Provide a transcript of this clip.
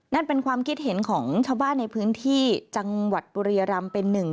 นั่นเป็นความคิดเห็นของชาวบ้านในพื้นที่จังหวัดบุรียรำเป็นหนึ่ง